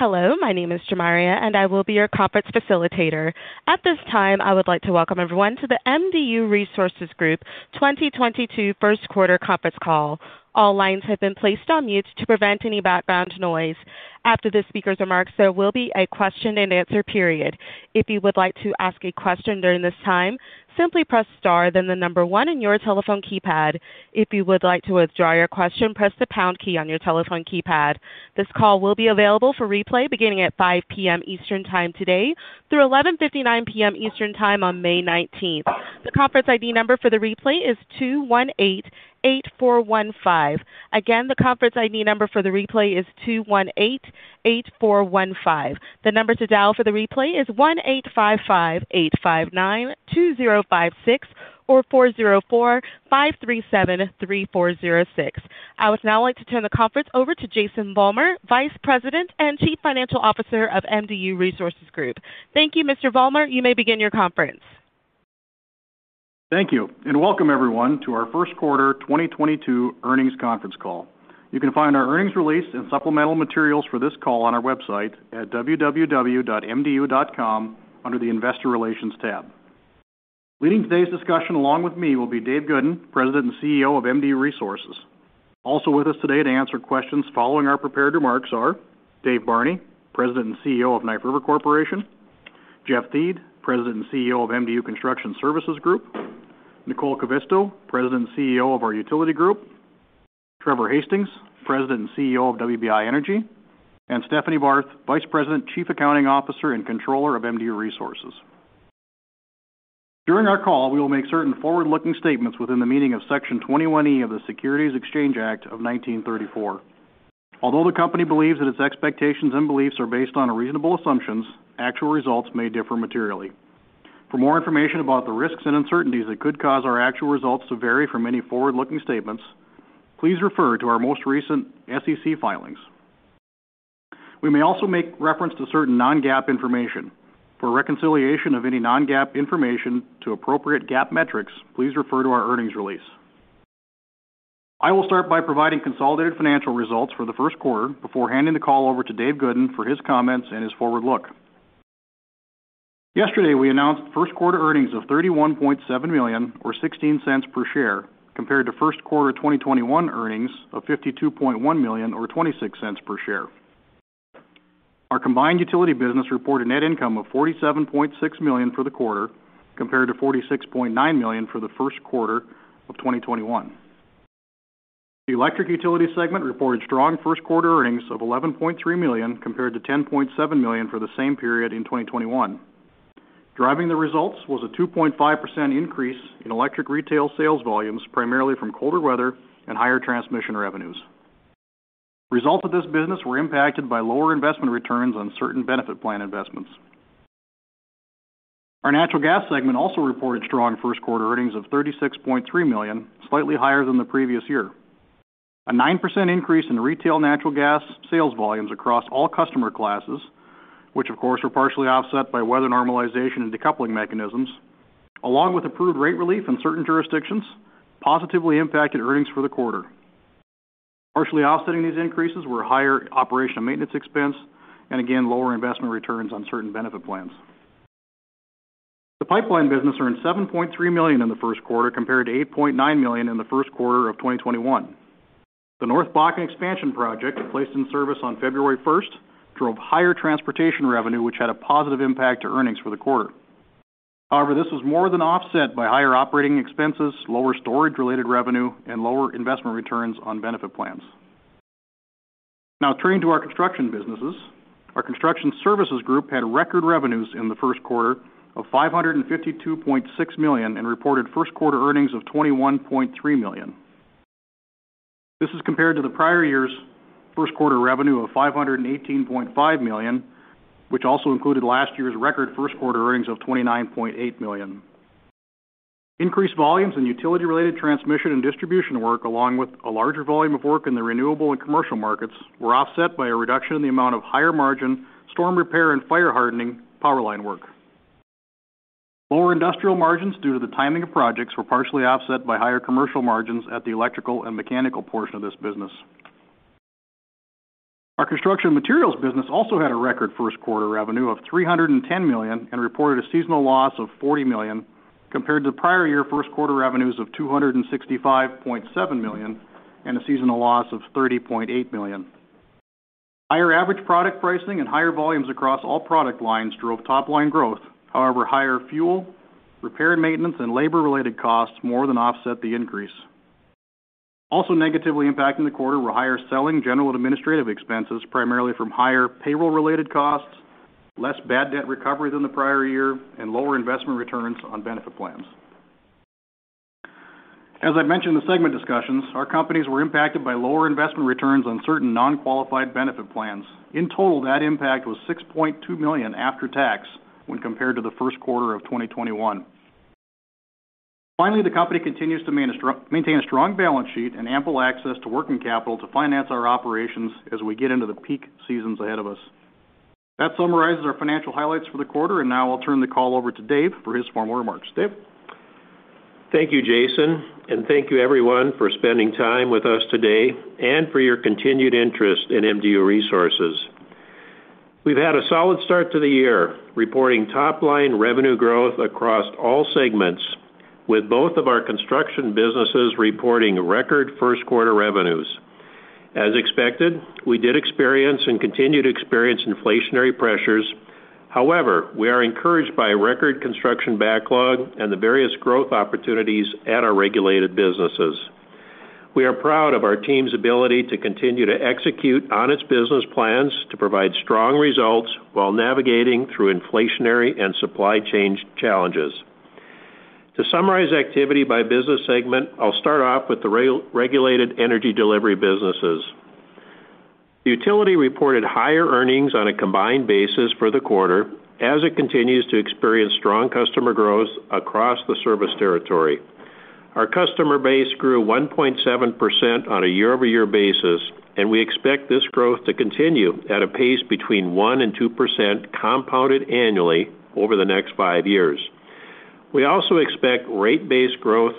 Hello, my name is Jamaria, and I will be your conference facilitator. At this time, I would like to welcome everyone to the MDU Resources Group 2022 First Quarter Conference Call. All lines have been placed on mute to prevent any background noise. After the speaker's remarks, there will be a question-and-answer period. If you would like to ask a question during this time, simply press star then the number one on your telephone keypad. If you would like to withdraw your question, press the pound key on your telephone keypad. This call will be available for replay beginning at 5:00 PM Eastern Time today through 11:59 PM Eastern Time on 19 May. The conference ID number for the replay is 2188415. Again, the conference ID number for the replay is 2188415. The number to dial for the replay is 1-855-859-2056 or 404-537-3406. I would now like to turn the conference over to Jason Vollmer, Vice President and Chief Financial Officer of MDU Resources Group. Thank you, Mr. Vollmer. You may begin your conference. Thank you. Welcome everyone to our First Quarter 2022 Earnings Conference Call. You can find our earnings release and supplemental materials for this call on our website at www.mdu.com under the Investor Relations tab. Leading today's discussion along with me will be Dave Goodin, President and CEO of MDU Resources. Also with us today to answer questions following our prepared remarks are Dave Barney, President and CEO of Knife River Corporation, Jeff Thiede, President and CEO of MDU Construction Services Group, Nicole Kivisto, President and CEO of our Utility Group, Trevor Hastings, President and CEO of WBI Energy, and Stephanie Barth, Vice President, Chief Accounting Officer, and Controller of MDU Resources. During our call, we will make certain forward-looking statements within the meaning of Section 21E of the Securities Exchange Act of 1934. Although the company believes that its expectations and beliefs are based on reasonable assumptions, actual results may differ materially. For more information about the risks and uncertainties that could cause our actual results to vary from any forward-looking statements, please refer to our most recent SEC filings. We may also make reference to certain non-GAAP information. For reconciliation of any non-GAAP information to appropriate GAAP metrics, please refer to our earnings release. I will start by providing consolidated financial results for the first quarter before handing the call over to Dave Goodin for his comments and his forward look. Yesterday, we announced first-quarter earnings of $31.7 million or $0.16 per share, compared to first quarter 2021 earnings of $52.1 million or $0.26 per share. Our combined utility business reported net income of $47.6 million for the quarter compared to $46.9 million for the first quarter of 2021. The electric utility segment reported strong first-quarter earnings of $11.3 million compared to $10.7 million for the same period in 2021. Driving the results was a 2.5% increase in electric retail sales volumes, primarily from colder weather and higher transmission revenues. Results of this business were impacted by lower investment returns on certain benefit plan investments. Our natural gas segment also reported strong first-quarter earnings of $36.3 million, slightly higher than the previous year. A 9% increase in retail natural gas sales volumes across all customer classes, which of course, were partially offset by weather normalization and decoupling mechanisms, along with approved rate relief in certain jurisdictions, positively impacted earnings for the quarter. Partially offsetting these increases were higher operational maintenance expense and again, lower investment returns on certain benefit plans. The pipeline business earned $7.3 million in the first quarter, compared to $8.9 million in the first quarter of 2021. The North Bakken expansion project, placed in service on 1 February, drove higher transportation revenue, which had a positive impact to earnings for the quarter. However, this was more than offset by higher operating expenses, lower storage-related revenue, and lower investment returns on benefit plans. Now turning to our construction businesses. Our Construction Services Group had record revenues in the first quarter of $552.6 million and reported first-quarter earnings of $21.3 million. This is compared to the prior year's first-quarter revenue of $518.5 million, which also included last year's record first-quarter earnings of $29.8 million. Increased volumes in utility-related transmission and distribution work, along with a larger volume of work in the renewable and commercial markets, were offset by a reduction in the amount of higher margin storm repair and fire hardening power line work. Lower industrial margins due to the timing of projects were partially offset by higher commercial margins at the electrical and mechanical portion of this business. Our construction materials business also had a record first-quarter revenue of $310 million and reported a seasonal loss of $40 million, compared to prior year first quarter revenues of $265.7 million and a seasonal loss of $30.8 million. Higher average product pricing and higher volumes across all product lines drove top line growth. However, higher fuel, repair and maintenance, and labor related costs more than offset the increase. Also negatively impacting the quarter were higher selling, general, and administrative expenses primarily from higher payroll-related costs, less bad debt recovery than the prior year, and lower investment returns on benefit plans. As I mentioned in the segment discussions, our companies were impacted by lower investment returns on certain non-qualified benefit plans. In total, that impact was $6.2 million after tax when compared to the first quarter of 2021. Finally, the company continues to maintain a strong balance sheet and ample access to working capital to finance our operations as we get into the peak seasons ahead of us. That summarizes our financial highlights for the quarter, and now I'll turn the call over to Dave for his formal remarks. Dave? Thank you, Jason, and thank you everyone for spending time with us today and for your continued interest in MDU Resources. We've had a solid start to the year, reporting top-line revenue growth across all segments, with both of our construction businesses reporting record first quarter revenues. As expected, we did experience and continue to experience inflationary pressures. However, we are encouraged by record construction backlog and the various growth opportunities at our regulated businesses. We are proud of our team's ability to continue to execute on its business plans to provide strong results while navigating through inflationary and supply chain challenges. To summarize activity by business segment, I'll start off with our regulated energy delivery businesses. The utility reported higher earnings on a combined basis for the quarter as it continues to experience strong customer growth across the service territory. Our customer base grew 1.7% on a year-over-year basis, and we expect this growth to continue at a pace between 1% and 2% compounded annually over the next five years. We also expect rate-based growth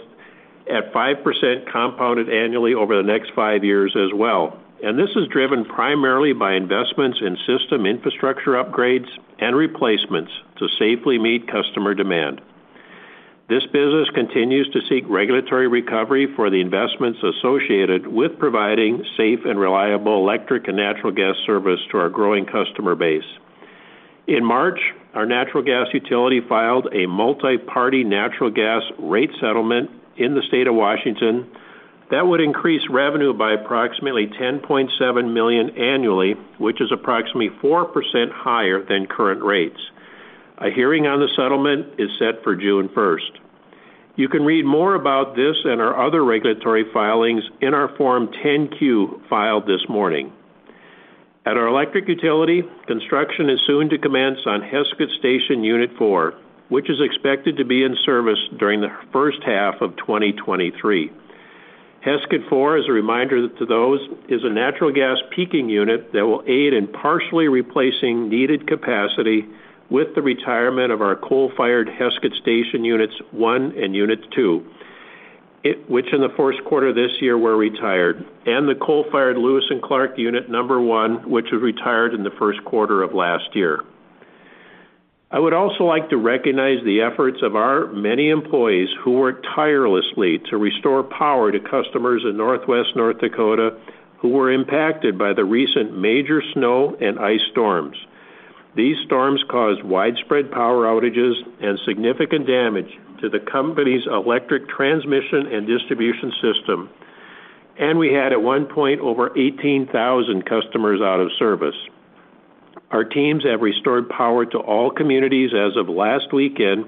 at 5% compounded annually over the next five years as well. This is driven primarily by investments in system infrastructure upgrades and replacements to safely meet customer demand. This business continues to seek regulatory recovery for the investments associated with providing safe and reliable electric and natural gas service to our growing customer base. In March, our natural gas utility filed a multi-party natural gas rate settlement in the state of Washington that would increase revenue by approximately $10.7 million annually, which is approximately 4% higher than current rates. A hearing on the settlement is set for 1 June. You can read more about this and our other regulatory filings in our Form 10-Q filed this morning. At our electric utility, construction is soon to commence on Heskett Station Unit 4, which is expected to be in service during the first half of 2023. Heskett 4, as a reminder to those, is a natural gas peaking unit that will aid in partially replacing needed capacity with the retirement of our coal-fired Heskett Station Units 1 and Unit 2, which in the first quarter this year were retired, and the coal-fired Lewis and Clark Unit Number One, which was retired in the first quarter of last year. I would also like to recognize the efforts of our many employees who worked tirelessly to restore power to customers in Northwest North Dakota who were impacted by the recent major snow and ice storms. These storms caused widespread power outages and significant damage to the company's electric transmission and distribution system, and we had, at one point, over 18,000 customers out of service. Our teams have restored power to all communities as of last weekend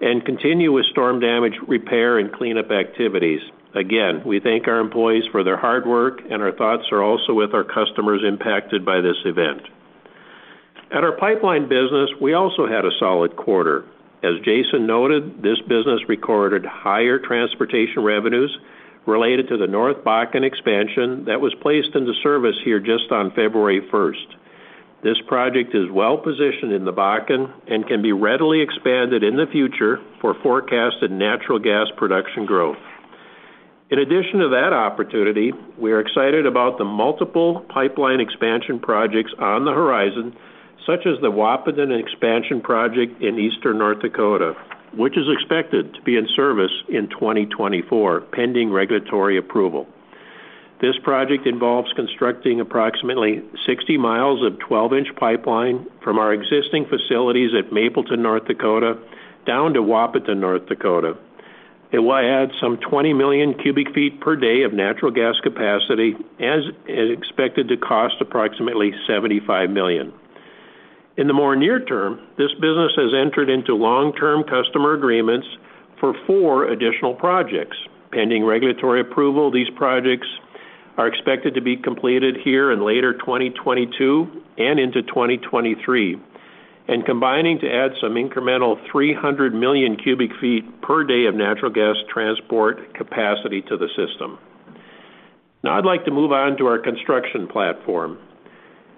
and continue with storm damage repair and cleanup activities. Again, we thank our employees for their hard work, and our thoughts are also with our customers impacted by this event. At our pipeline business, we also had a solid quarter. As Jason noted, this business recorded higher transportation revenues related to the North Bakken expansion that was placed into service here just on 1 February. This project is well-positioned in the Bakken and can be readily expanded in the future for forecasted natural gas production growth. In addition to that opportunity, we are excited about the multiple pipeline expansion projects on the horizon, such as the Wahpeton Expansion Project in Eastern North Dakota, which is expected to be in service in 2024, pending regulatory approval. This project involves constructing approximately 60 miles of 12-inch pipeline from our existing facilities at Mapleton, North Dakota, down to Wahpeton, North Dakota. It will add some 20 million cubic feet per day of natural gas capacity and is expected to cost approximately $75 million. In the more near term, this business has entered into long-term customer agreements for four additional projects. Pending regulatory approval, these projects are expected to be completed here in later 2022 and into 2023, and combining to add some incremental 300 million cubic feet per day of natural gas transport capacity to the system. Now I'd like to move on to our construction platform.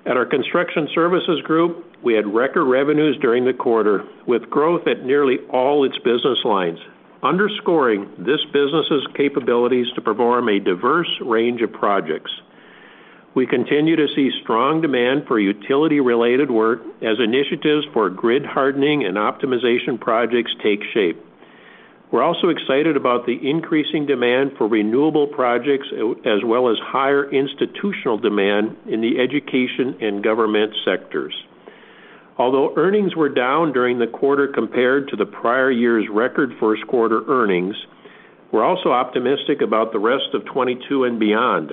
At our Construction Services Group, we had record revenues during the quarter, with growth at nearly all its business lines, underscoring this business's capabilities to perform a diverse range of projects. We continue to see strong demand for utility-related work as initiatives for grid hardening and optimization projects take shape. We're also excited about the increasing demand for renewable projects, as well as higher institutional demand in the education and government sectors. Although earnings were down during the quarter compared to the prior year's record first quarter earnings, we're also optimistic about the rest of 2022 and beyond.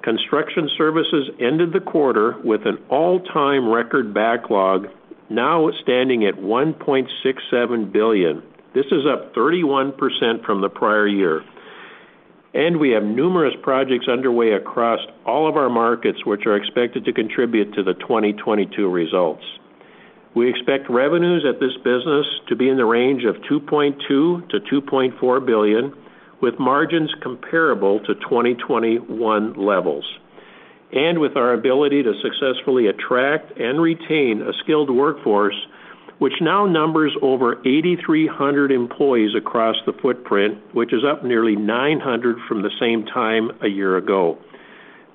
Construction Services ended the quarter with an all-time record backlog, now standing at $1.67 billion. This is up 31% from the prior year. We have numerous projects underway across all of our markets, which are expected to contribute to the 2022 results. We expect revenues at this business to be in the range of $2.2 to 2.4 billion, with margins comparable to 2021 levels. With our ability to successfully attract and retain a skilled workforce, which now numbers over 8,300 employees across the footprint, which is up nearly 900 from the same time a year ago.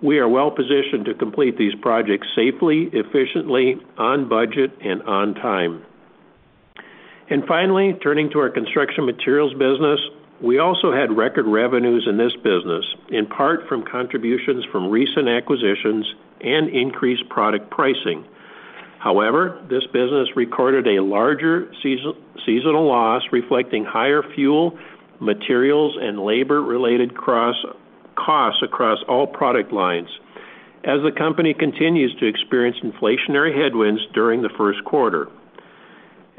We are well-positioned to complete these projects safely, efficiently, on budget, and on time. Finally, turning to our construction materials business. We also had record revenues in this business, in part from contributions from recent acquisitions and increased product pricing. However, this business recorded a larger seasonal loss reflecting higher fuel, materials, and labor-related costs across all product lines as the company continues to experience inflationary headwinds during the first quarter.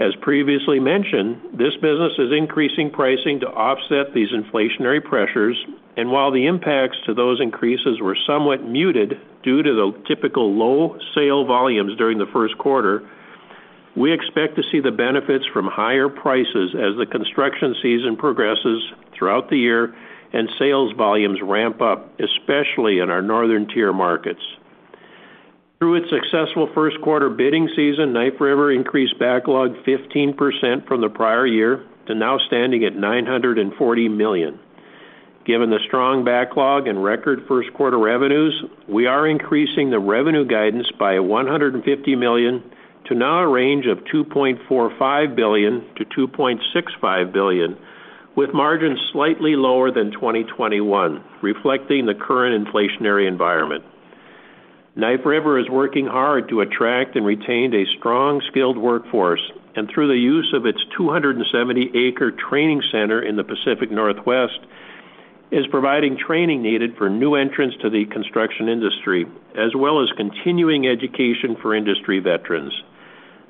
As previously mentioned, this business is increasing pricing to offset these inflationary pressures. While the impacts to those increases were somewhat muted due to the typical low sale volumes during the first quarter, we expect to see the benefits from higher prices as the construction season progresses throughout the year and sales volumes ramp up, especially in our northern tier markets. Through its successful first quarter bidding season, Knife River increased backlog 15% from the prior year to now standing at $940 million. Given the strong backlog and record first quarter revenues, we are increasing the revenue guidance by $150 million to now a range of $2.45 to 2.65 billion, with margins slightly lower than 2021, reflecting the current inflationary environment. Knife River is working hard to attract and retain a strong, skilled workforce, and through the use of its 270-acre training center in the Pacific Northwest, is providing training needed for new entrants to the construction industry, as well as continuing education for industry veterans.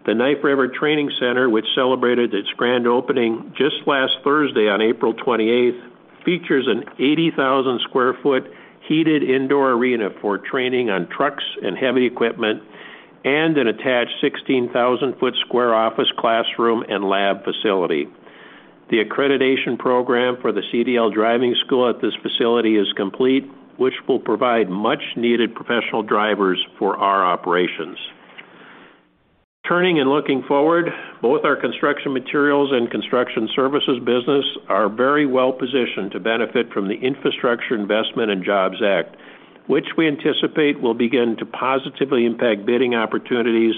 The Knife River Training Center, which celebrated its grand opening just last Thursday on 28 April, features an 80,000 sq ft heated indoor arena for training on trucks and heavy equipment and an attached 16,000 sq ft office, classroom, and lab facility. The accreditation program for the CDL driving school at this facility is complete, which will provide much needed professional drivers for our operations. Turning and looking forward, both our construction materials and construction services business are very well positioned to benefit from the Infrastructure Investment and Jobs Act, which we anticipate will begin to positively impact bidding opportunities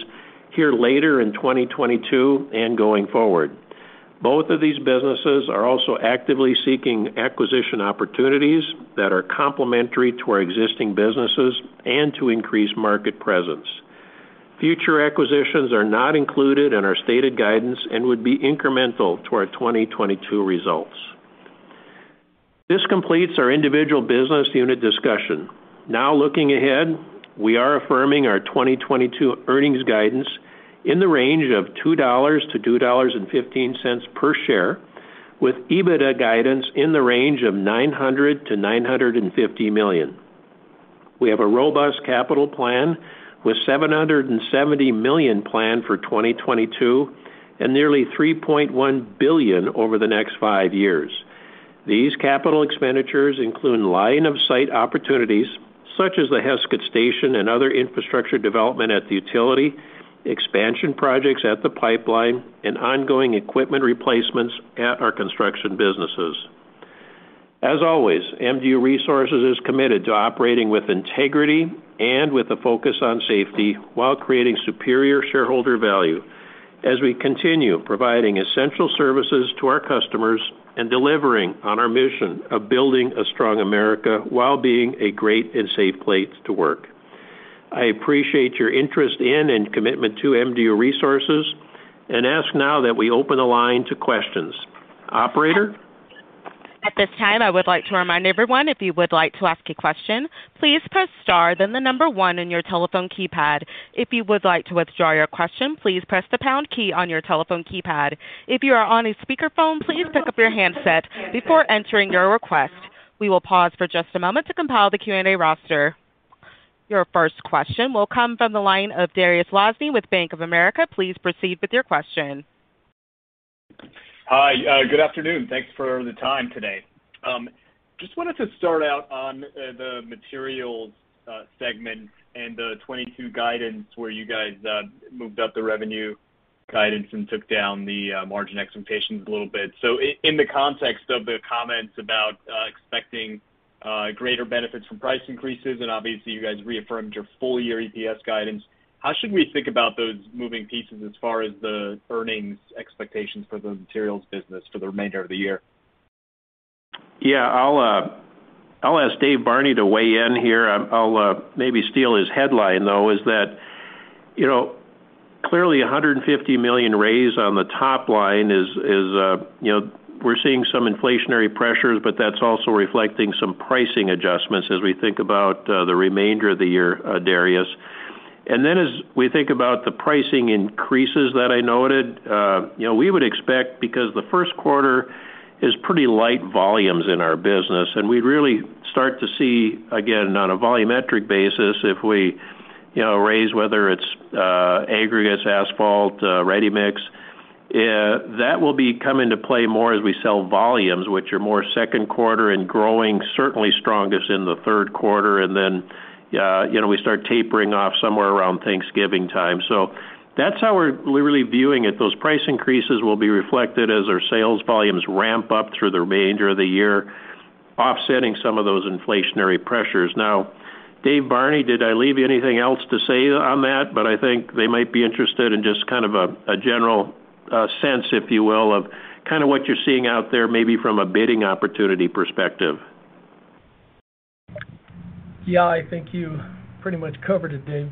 here later in 2022 and going forward. Both of these businesses are also actively seeking acquisition opportunities that are complementary to our existing businesses and to increase market presence. Future acquisitions are not included in our stated guidance and would be incremental to our 2022 results. This completes our individual business unit discussion. Now, looking ahead, we are affirming our 2022 earnings guidance in the range of $2 to 2.15 per share, with EBITDA guidance in the range of $900 to 950 million. We have a robust capital plan with $770 million planned for 2022 and nearly $3.1 billion over the next five years. These capital expenditures include line of sight opportunities such as the Heskett station and other infrastructure development at the utility, expansion projects at the pipeline, and ongoing equipment replacements at our construction businesses. As always, MDU Resources is committed to operating with integrity and with a focus on safety while creating superior shareholder value as we continue providing essential services to our customers and delivering on our mission of building a strong America while being a great and safe place to work. I appreciate your interest in and commitment to MDU Resources and ask now that we open the line to questions. Operator? At this time, I would like to remind everyone, if you would like to ask a question, please press star, then the number one on your telephone keypad. If you would like to withdraw your question, please press the pound key on your telephone keypad. If you are on a speakerphone, please pick up your handset before entering your request. We will pause for just a moment to compile the Q&A roster. Your first question will come from the line of Dariusz Lozny with Bank of America. Please proceed with your question. Hi, good afternoon. Thanks for the time today. Just wanted to start out on the materials segment and the 2022 guidance where you guys moved up the revenue guidance and took down the margin expectations a little bit. In the context of the comments about expecting greater benefits from price increases, and obviously you guys reaffirmed your full-year EPS guidance, how should we think about those moving pieces as far as the earnings expectations for the materials business for the remainder of the year? Yeah, I'll ask Dave Barney to weigh in here. I'll maybe steal his headline, though, is that, you know, clearly $150 million raise on the top line is, you know, we're seeing some inflationary pressures, but that's also reflecting some pricing adjustments as we think about the remainder of the year, Dariusz. Then as we think about the pricing increases that I noted, you know, we would expect because the first quarter is pretty light volumes in our business, and we really start to see, again, on a volumetric basis, if we, you know, raise whether it's aggregates, asphalt, ready mix. Yeah, that will be coming into play more as we sell volumes, which are more second quarter and growing certainly strongest in the third quarter. You know, we start tapering off somewhere around Thanksgiving time. That's how we're really viewing it. Those price increases will be reflected as our sales volumes ramp up through the remainder of the year, offsetting some of those inflationary pressures. Now, Dave Barney, did I leave you anything else to say on that? I think they might be interested in just kind of a general sense, if you will, of kind of what you're seeing out there, maybe from a bidding opportunity perspective. Yeah. I think you pretty much covered it, Dave.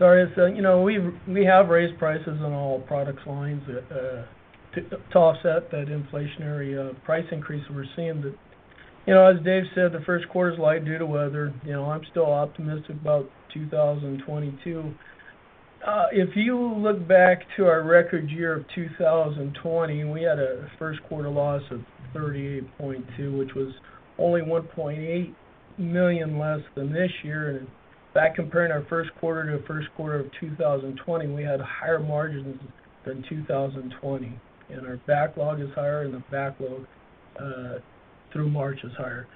Dariusz, you know, we have raised prices on all product lines to offset that inflationary price increase we're seeing. You know, as Dave said, the first quarter is light due to weather. You know, I'm still optimistic about 2022. If you look back to our record year of 2020, we had a first quarter loss of 38.2, which was only $1.8 million less than this year. Back comparing our first quarter to the first quarter of 2020, we had higher margins than 2020, and our backlog is higher, and the backlog through March is higher.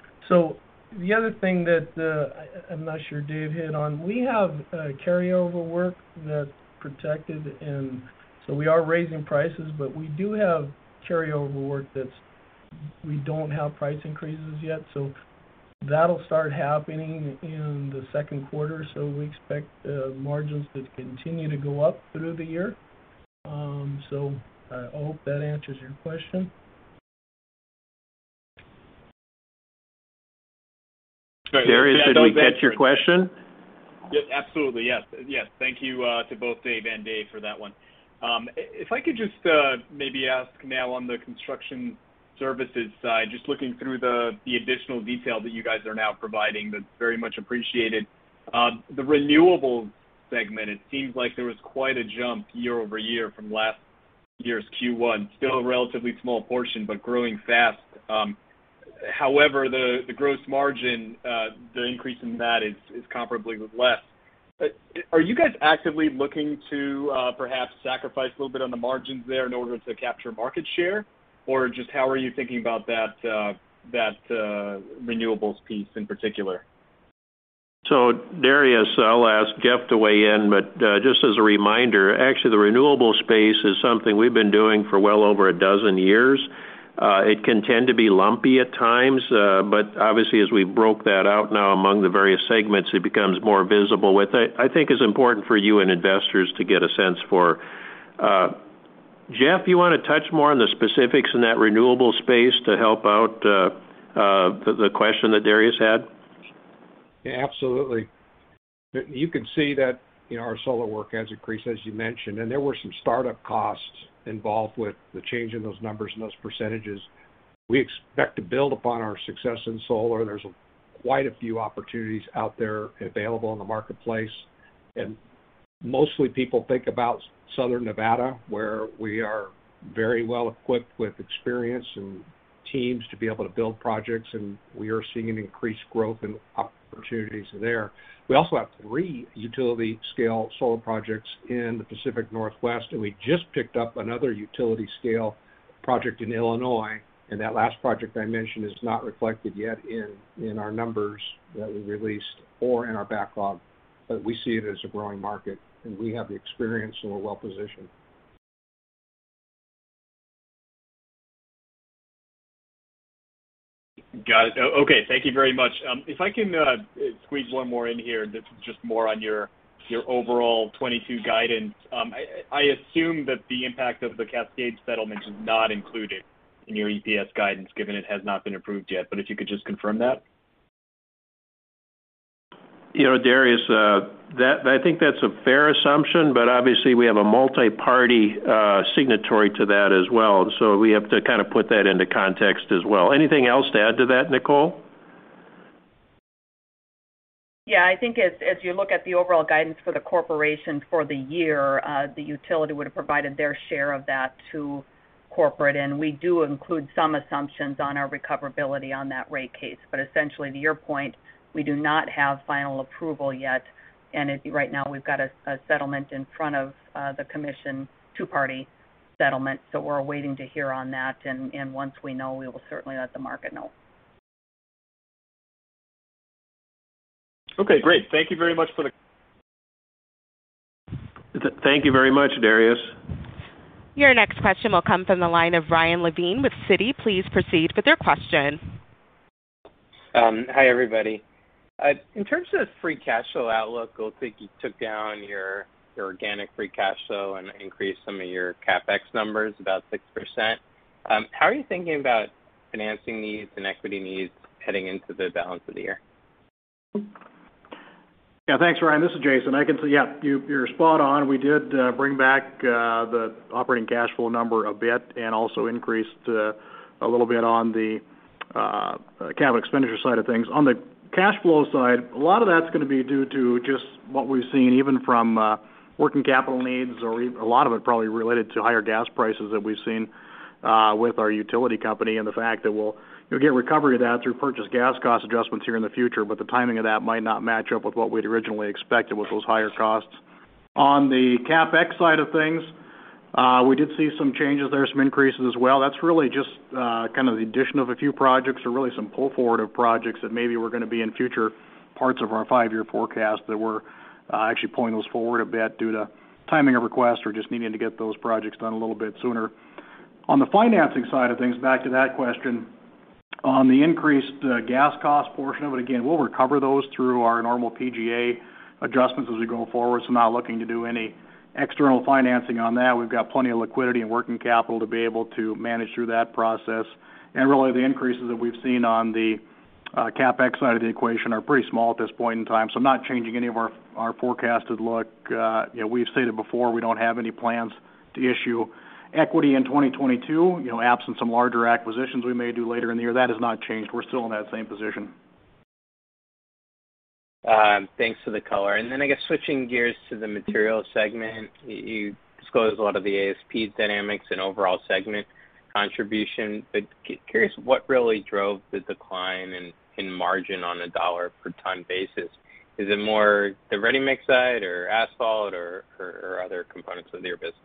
The other thing that I'm not sure Dave hit on, we have carryover work that's protected. We are raising prices, but we do have carryover work we don't have price increases yet. That'll start happening in the second quarter. We expect margins to continue to go up through the year. I hope that answers your question. Dariusz, did we get your question? Yes. Absolutely, yes. Yes. Thank you to both Dave and Dave for that one. If I could just maybe ask now on the construction services side, just looking through the additional detail that you guys are now providing, that's very much appreciated. The renewables segment, it seems like there was quite a jump year-over-year from last year's Q1. Still a relatively small portion, but growing fast. However, the gross margin, the increase in that is comparably less. Are you guys actively looking to perhaps sacrifice a little bit on the margins there in order to capture market share? Or just how are you thinking about that renewables piece in particular? Dariusz, I'll ask Jeff to weigh in, but just as a reminder, actually, the renewable space is something we've been doing for well over a dozen years. It can tend to be lumpy at times, but obviously as we broke that out now among the various segments, it becomes more visible with it. I think it's important for you and investors to get a sense for. Jeff, you wanna touch more on the specifics in that renewable space to help out, the question that Dariusz had? Absolutely. You can see that, you know, our solar work has increased, as you mentioned, and there were some startup costs involved with the change in those numbers and those percentages. We expect to build upon our success in solar. There's quite a few opportunities out there available in the marketplace. Mostly people think about Southern Nevada, where we are very well equipped with experience and teams to be able to build projects, and we are seeing an increased growth in opportunities there. We also have three utility scale solar projects in the Pacific Northwest, and we just picked up another utility scale project in Illinois. That last project I mentioned is not reflected yet in our numbers that we released or in our backlog. We see it as a growing market, and we have the experience, and we're well positioned. Got it. Okay, thank you very much. If I can squeeze one more in here that's just more on your overall 2022 guidance. I assume that the impact of the Cascade settlement is not included in your EPS guidance, given it has not been approved yet. If you could just confirm that. You know, Dariusz, that I think that's a fair assumption, but obviously we have a multi-party signatory to that as well, so we have to kind of put that into context as well. Anything else to add to that, Nicole Kivisto? Yeah. I think as you look at the overall guidance for the corporation for the year, the utility would have provided their share of that to corporate, and we do include some assumptions on our recoverability on that rate case. Essentially, to your point, we do not have final approval yet. As of right now, we've got a settlement in front of the commission, two-party settlement. We're waiting to hear on that. Once we know, we will certainly let the market know. Okay, great. Thank you very much for the. Thank you very much, Dariusz. Your next question will come from the line of Ryan Levine with Citi. Please proceed with your question. Hi, everybody. In terms of free cash flow outlook, it looks like you took down your organic free cash flow and increased some of your CapEx numbers about 6%. How are you thinking about financing needs and equity needs heading into the balance of the year? Yeah. Thanks, Ryan. This is Jason. Yeah, you're spot on. We did bring back the operating cash flow number a bit and also increased a little bit on the capital expenditure side of things. On the cash flow side, a lot of that's gonna be due to just what we've seen even from working capital needs or a lot of it probably related to higher gas prices that we've seen. With our utility company and the fact that we'll, you know, get recovery of that through purchase gas cost adjustments here in the future, but the timing of that might not match up with what we'd originally expected with those higher costs. On the CapEx side of things, we did see some changes there, some increases as well. That's really just, kind of the addition of a few projects or really some pull forward of projects that maybe were gonna be in future parts of our five-year forecast that we're actually pulling those forward a bit due to timing of requests or just needing to get those projects done a little bit sooner. On the financing side of things, back to that question. On the increased gas cost portion of it, again, we'll recover those through our normal PGA adjustments as we go forward, so not looking to do any external financing on that. We've got plenty of liquidity and working capital to be able to manage through that process. Really, the increases that we've seen on the CapEx side of the equation are pretty small at this point in time, so I'm not changing any of our forecasted look. You know, we've stated before, we don't have any plans to issue equity in 2022. You know, absent some larger acquisitions we may do later in the year. That has not changed. We're still in that same position. Thanks for the color. I guess switching gears to the materials segment, you disclosed a lot of the ASP dynamics and overall segment contribution. Curious what really drove the decline in margin on a dollar per ton basis? Is it more the ready-mix side or asphalt or other components of your business?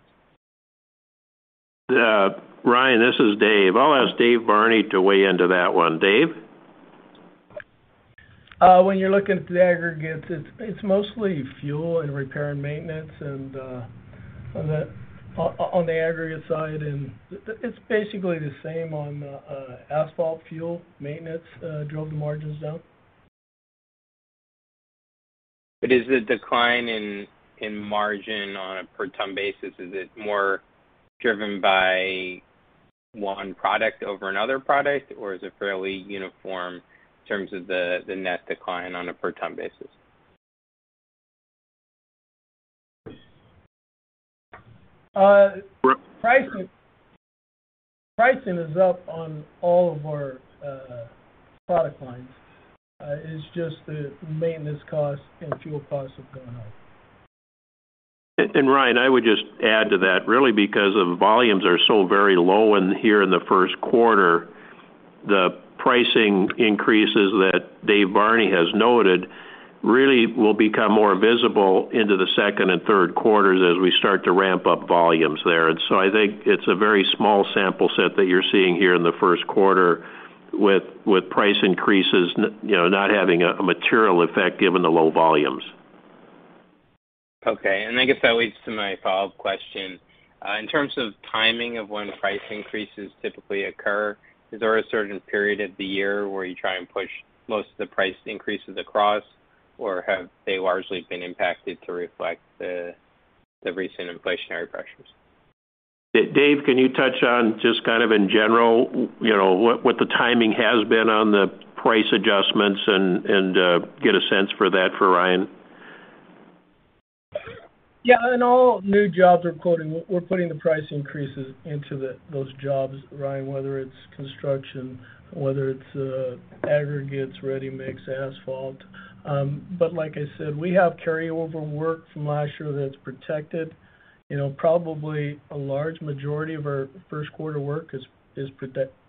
Ryan, this is Dave. I'll ask Dave Barney to weigh in on that one. Dave? When you're looking at the aggregates, it's mostly fuel and repair and maintenance on the aggregate side. It's basically the same on the asphalt. Fuel maintenance drove the margins down. Is the decline in margin on a per ton basis, is it more driven by one product over another product, or is it fairly uniform in terms of the net decline on a per ton basis? Pricing is up on all of our product lines. It's just the maintenance costs and fuel costs have gone up. Ryan, I would just add to that, really because the volumes are so very low in here in the first quarter, the pricing increases that Dave Barney has noted really will become more visible into the second and third quarters as we start to ramp up volumes there. I think it's a very small sample set that you're seeing here in the first quarter with price increases, you know, not having a material effect given the low volumes. Okay. I guess that leads to my follow-up question. In terms of timing of when price increases typically occur, is there a certain period of the year where you try and push most of the price increases across, or have they largely been impacted to reflect the recent inflationary pressures? Dave, can you touch on just kind of in general, you know, what the timing has been on the price adjustments and get a sense for that for Ryan? Yeah. In all new jobs we're quoting, we're putting the price increases into those jobs, Ryan, whether it's construction, whether it's aggregates, ready-mix, asphalt. Like I said, we have carryover work from last year that's protected. You know, probably a large majority of our first quarter work is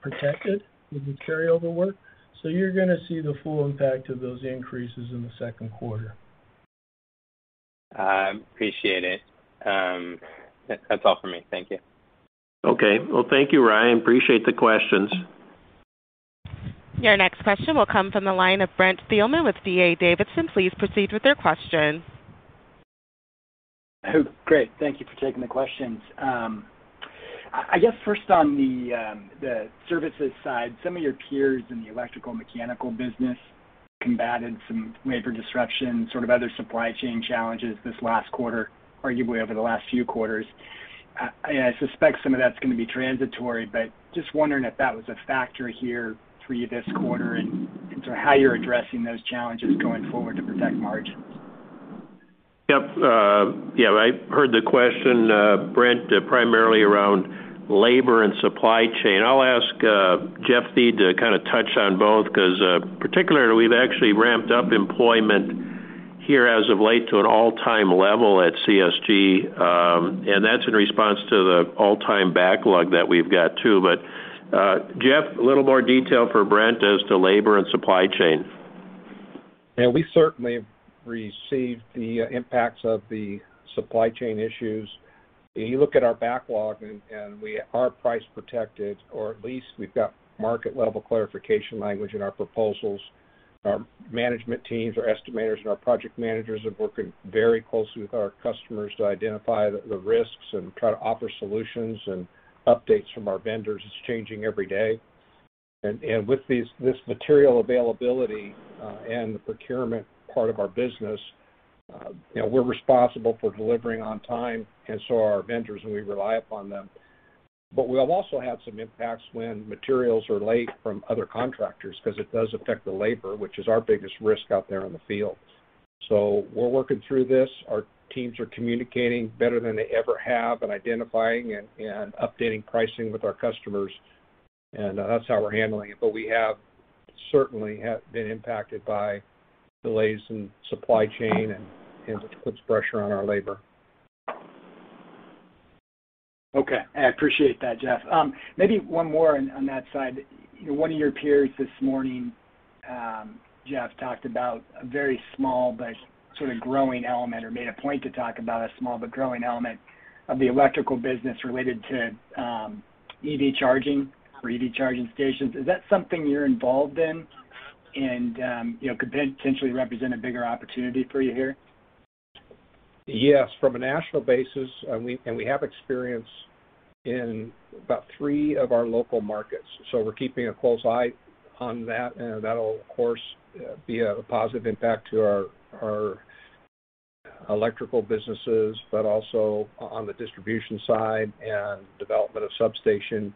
protected with the carryover work. You're gonna see the full impact of those increases in the second quarter. I appreciate it. That's all for me. Thank you. Okay. Well, thank you, Ryan. Appreciate the questions. Your next question will come from the line of Brent Thielman with D.A. Davidson. Please proceed with your question. Oh, great. Thank you for taking the questions. I guess first on the services side, some of your peers in the electrical mechanical business combatted some labor disruption, sort of other supply chain challenges this last quarter, arguably over the last few quarters. I suspect some of that's gonna be transitory, but just wondering if that was a factor here for you this quarter and into how you're addressing those challenges going forward to protect margins. I heard the question, Brent, primarily around labor and supply chain. I'll ask Jeff Thiede to kinda touch on both 'cause particularly we've actually ramped up employment here as of late to an all-time level at CSG. That's in response to the all-time backlog that we've got too. Jeff, a little more detail for Brent as to labor and supply chain. Yeah. We certainly have received the impacts of the supply chain issues. If you look at our backlog and we are price protected, or at least we've got market level clarification language in our proposals. Our management teams, our estimators, and our project managers are working very closely with our customers to identify the risks and try to offer solutions and updates from our vendors. It's changing every day. With this material availability and the procurement part of our business, you know, we're responsible for delivering on time and so are our vendors, and we rely upon them. But we have also had some impacts when materials are late from other contractors 'cause it does affect the labor, which is our biggest risk out there in the field. We're working through this. Our teams are communicating better than they ever have and identifying and updating pricing with our customers. That's how we're handling it. We have certainly been impacted by delays in supply chain, and it puts pressure on our labor. Okay. I appreciate that, Jeff. Maybe one more on that side. One of your peers this morning, Jeff, talked about a very small but sort of growing element, or made a point to talk about a small but growing element of the electrical business related to EV charging or EV charging stations. Is that something you're involved in? You know, could that potentially represent a bigger opportunity for you here? Yes. From a national basis, and we have experience in about three of our local markets. We're keeping a close eye on that, and that'll of course be a positive impact to our electrical businesses, but also on the distribution side and development of substation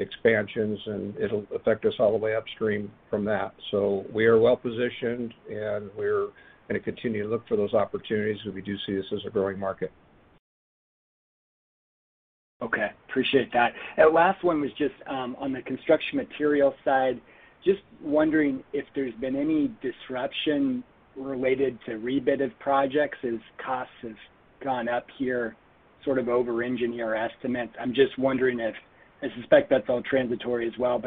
expansions, and it'll affect us all the way upstream from that. We are well positioned, and we're gonna continue to look for those opportunities, and we do see this as a growing market. Okay. Appreciate that. Last one was just on the construction material side. Just wondering if there's been any disruption related to rebid of projects as costs have gone up here, sort of over engineer estimates. I'm just wondering if I suspect that's all transitory as well.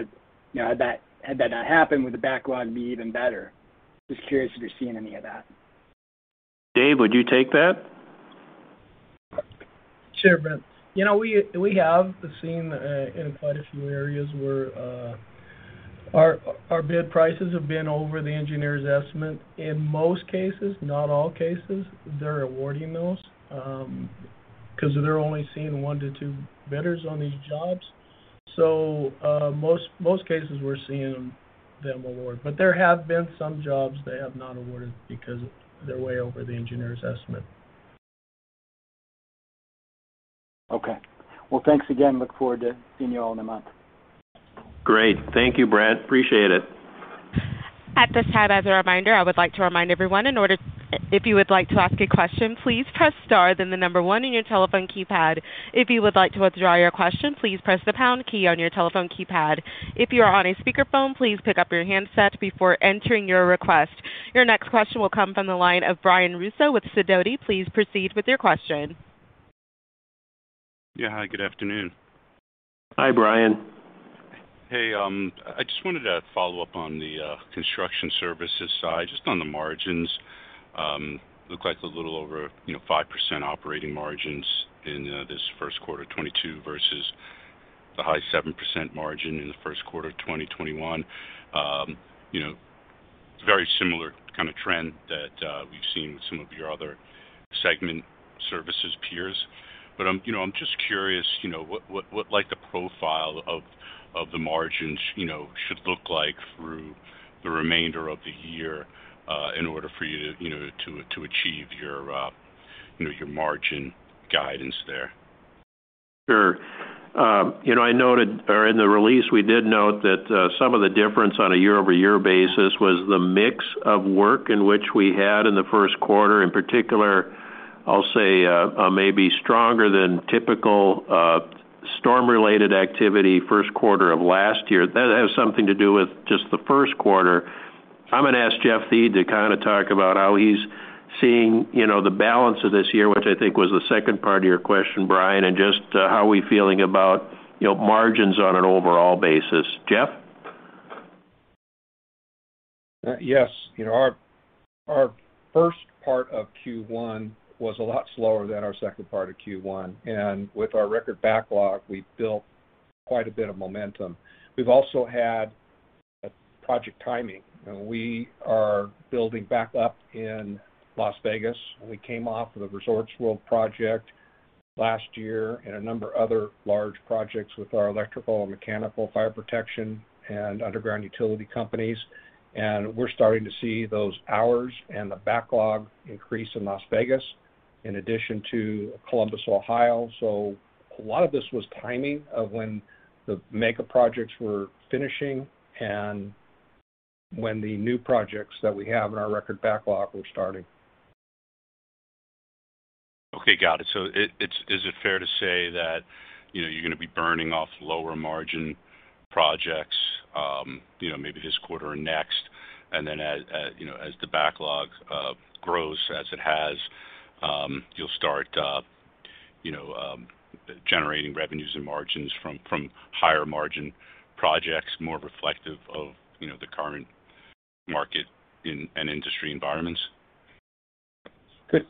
You know, had that not happened, would the backlog be even better? Just curious if you're seeing any of that. Dave, would you take that? Sure, Brent. You know, we have seen in quite a few areas where our bid prices have been over the engineer's estimate. In most cases, not all cases, they're awarding those 'cause they're only seeing one-two bidders on these jobs. Most cases we're seeing them award. There have been some jobs they have not awarded because they're way over the engineer's estimate. Okay. Well, thanks again. Look forward to seeing you all in a month. Great. Thank you, Brent. Appreciate it. At this time, as a reminder, I would like to remind everyone. If you would like to ask a question, please press star, then the number one in your telephone keypad. If you would like to withdraw your question, please press the pound key on your telephone keypad. If you are on a speakerphone, please pick up your handset before entering your request. Your next question will come from the line of Brian Russo with Sidoti. Please proceed with your question. Yeah. Hi, good afternoon. Hi, Brian. Hey, I just wanted to follow up on the construction services side, just on the margins. Looked like a little over, you know, 5% operating margins in this first quarter 2022 versus the high 7% margin in the first quarter of 2021. You know, very similar kind of trend that we've seen with some of your other segment services peers. But I'm, you know, I'm just curious, you know, what like the profile of the margins, you know, should look like through the remainder of the year in order for you to, you know, to achieve your, you know, your margin guidance there. Sure. You know, or in the release, we did note that some of the difference on a year-over-year basis was the mix of work in which we had in the first quarter. In particular, I'll say, maybe stronger than typical, storm-related activity first quarter of last year. That has something to do with just the first quarter. I'm gonna ask Jeff Thiede to kind of talk about how he's seeing, you know, the balance of this year, which I think was the second part of your question, Brian, and just, how we feeling about, you know, margins on an overall basis. Jeff? Yes. You know, our first part of Q1 was a lot slower than our second part of Q1. With our record backlog, we've built quite a bit of momentum. We've also had project timing, and we are building back up in Las Vegas. We came off of the Resorts World project last year and a number of other large projects with our electrical and mechanical fire protection and underground utility companies. We're starting to see those hours and the backlog increase in Las Vegas in addition to Columbus, Ohio. A lot of this was timing of when the mega projects were finishing and when the new projects that we have in our record backlog were starting. Okay, got it. Is it fair to say that, you know, you're gonna be burning off lower margin projects, you know, maybe this quarter or next, and then as you know, as the backlog grows, as it has, you'll start you know, generating revenues and margins from higher margin projects more reflective of, you know, the current market and industry environments?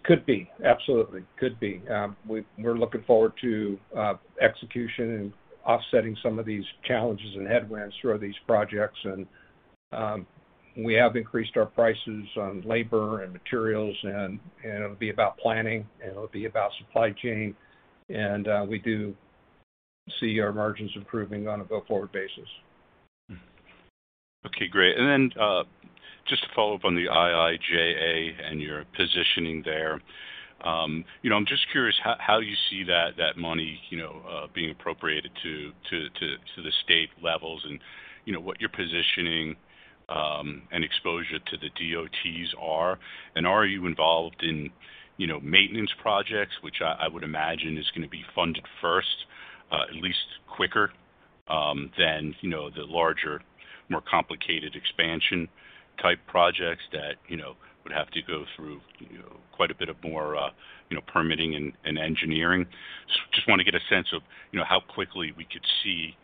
Could be. Absolutely. Could be. We're looking forward to execution and offsetting some of these challenges and headwinds through these projects. We have increased our prices on labor and materials, and it'll be about planning, and it'll be about supply chain. We do see our margins improving on a go-forward basis. Okay, great. Just to follow up on the IIJA and your positioning there. You know, I'm just curious how you see that money, you know, being appropriated to the state levels and you know, what your positioning and exposure to the DOTs are, and are you involved in, you know, maintenance projects? Which I would imagine is gonna be funded first, at least quicker than you know, the larger, more complicated expansion-type projects that, you know, would have to go through, you know, quite a bit more permitting and engineering. Just wanna get a sense of, you know, how quickly we could see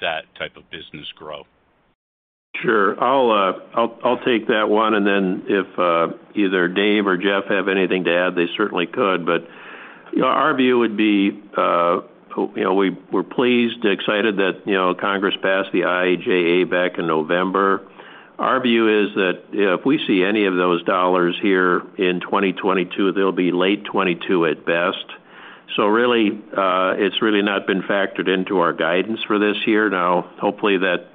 that type of business grow. Sure. I'll take that one, and then if either Dave or Jeff have anything to add, they certainly could. You know, our view would be, you know, we're pleased and excited that, you know, Congress passed the IIJA back in November. Our view is that if we see any of those dollars here in 2022, they'll be late 2022 at best. Really, it's really not been factored into our guidance for this year. Now, hopefully that,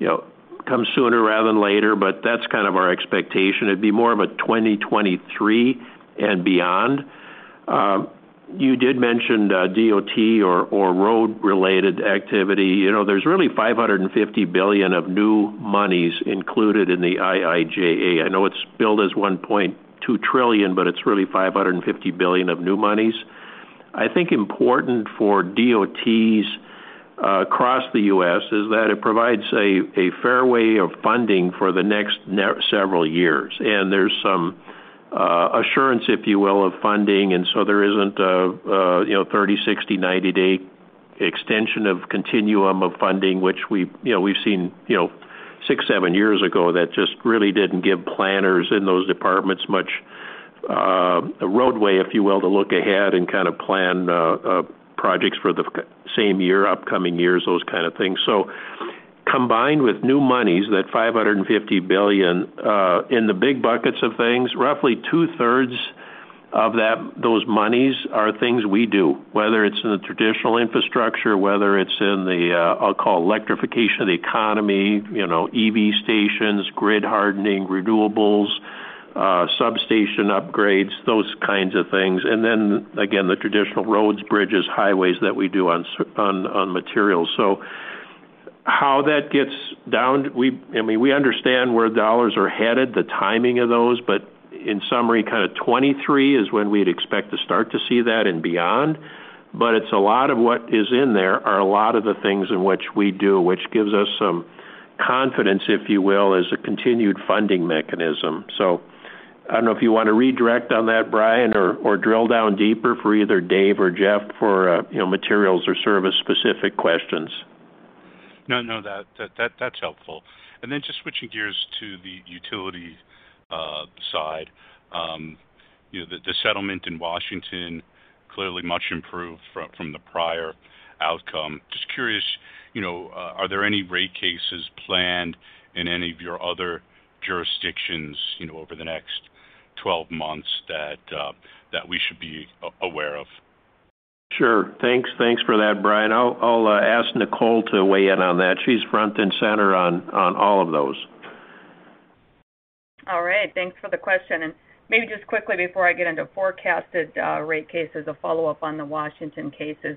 you know, comes sooner rather than later, but that's kind of our expectation. It'd be more of a 2023 and beyond. You did mention the DOT or road-related activity. You know, there's really $550 billion of new monies included in the IIJA. I know it's billed as $1.2 trillion, but it's really $550 billion of new monies. I think important for DOTs across the U.S. is that it provides a fair way of funding for the next several years. There's some assurance, if you will, of funding, and so there isn't a, you know, 30-, 60-, 90-day extension of continuum of funding, which you know, we've seen, you know, six, seven years ago that just really didn't give planners in those departments much roadway, if you will, to look ahead and kind of plan projects for the same year, upcoming years, those kind of things. Combined with new monies, that $550 billion, in the big buckets of things, roughly 2/3 of that, those monies are things we do, whether it's in the traditional infrastructure, whether it's in the, I'll call electrification of the economy, you know, EV stations, grid hardening, renewables, substation upgrades, those kinds of things. Then again, the traditional roads, bridges, highways that we do on materials. I mean, we understand where dollars are headed, the timing of those, but in summary, kind of 2023 is when we'd expect to start to see that and beyond. It's a lot of what is in there are a lot of the things in which we do, which gives us some confidence, if you will, as a continued funding mechanism. I don't know if you wanna redirect on that, Brian, or drill down deeper for either Dave or Jeff for, you know, materials or service-specific questions. No, that's helpful. Just switching gears to the utility side. You know, the settlement in Washington clearly much improved from the prior outcome. Just curious, you know, are there any rate cases planned in any of your other jurisdictions, you know, over the next 12 months that we should be aware of? Sure. Thanks. Thanks for that, Brian. I'll ask Nicole to weigh in on that. She's front and center on all of those. All right. Thanks for the question. Maybe just quickly before I get into forecasted rate cases, a follow-up on the Washington cases.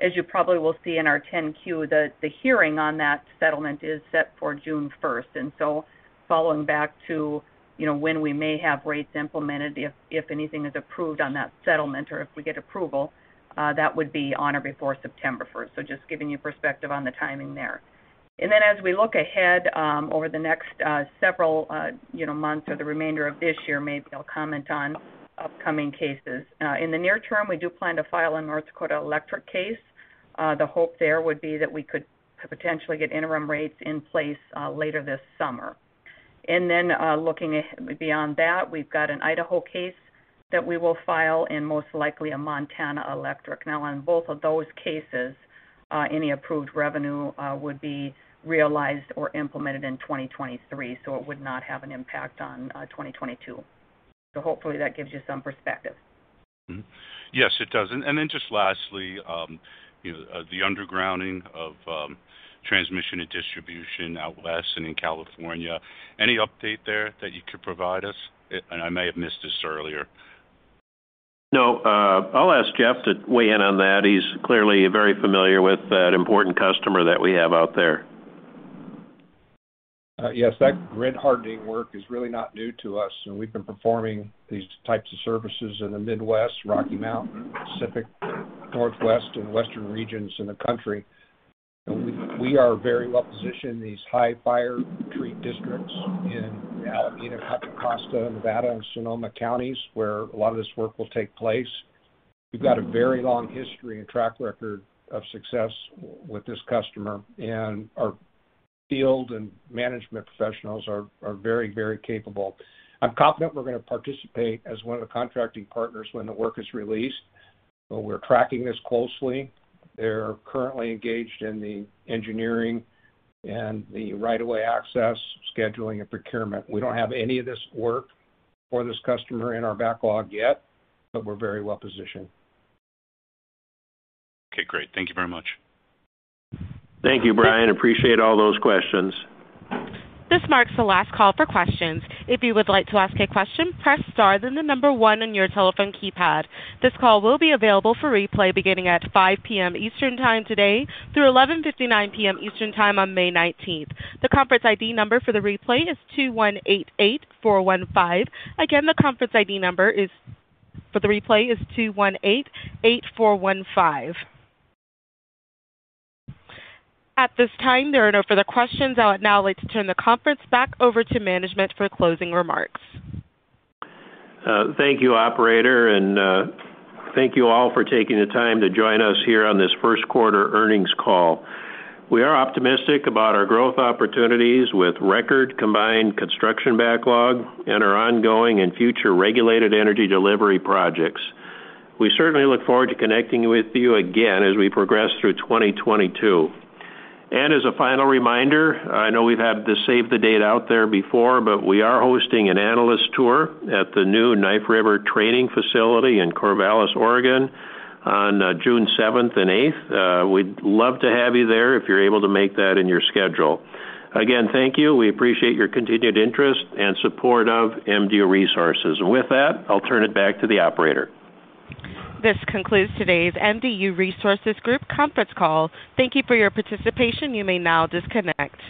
As you probably will see in our 10-Q, the hearing on that settlement is set for June first. Following back to, you know, when we may have rates implemented, if anything is approved on that settlement or if we get approval, that would be on or before 1 September. Just giving you perspective on the timing there. Then as we look ahead, over the next several you know months or the remainder of this year, maybe I'll comment on upcoming cases. In the near term, we do plan to file a North Dakota electric case. The hope there would be that we could potentially get interim rates in place, later this summer. Looking at beyond that, we've got an Idaho case that we will file and most likely a Montana electric. Now on both of those cases, any approved revenue would be realized or implemented in 2023, so it would not have an impact on 2022. Hopefully that gives you some perspective. Mm-hmm. Yes, it does. Just lastly, you know, the undergrounding of transmission and distribution out west and in California, any update there that you could provide us? I may have missed this earlier. No. I'll ask Jeff to weigh in on that. He's clearly very familiar with that important customer that we have out there. Yes, that grid hardening work is really not new to us, and we've been performing these types of services in the Midwest, Rocky Mountain, Pacific Northwest and western regions in the country. We are very well-positioned in these high fire threat districts in Alameda, Contra Costa, Nevada, and Sonoma Counties, where a lot of this work will take place. We've got a very long history and track record of success with this customer, and our field and management professionals are very capable. I'm confident we're gonna participate as one of the contracting partners when the work is released. We're tracking this closely. They're currently engaged in the engineering and the right of way access, scheduling, and procurement. We don't have any of this work for this customer in our backlog yet, but we're very well-positioned. Okay, great. Thank you very much. Thank you, Brian. Appreciate all those questions. This marks the last call for questions. If you would like to ask a question, press star, then the number one on your telephone keypad. This call will be available for replay beginning at 5:00 PM Eastern Time today through 11:59 PM Eastern Time on 19 May. The conference ID number for the replay is 2188415. Again, the conference ID number for the replay is 2188415. At this time, there are no further questions. I would now like to turn the conference back over to management for closing remarks. Thank you, operator, and thank you all for taking the time to join us here on this first quarter earnings call. We are optimistic about our growth opportunities with record combined construction backlog and our ongoing and future regulated energy delivery projects. We certainly look forward to connecting with you again as we progress through 2022. As a final reminder, I know we've had the save the date out there before, but we are hosting an analyst tour at the new Knife River training facility in Corvallis, Oregon, on 7 and 8 June. We'd love to have you there if you're able to make that in your schedule. Again, thank you. We appreciate your continued interest and support of MDU Resources. With that, I'll turn it back to the operator. This concludes today's MDU Resources Group conference call. Thank you for your participation. You may now disconnect.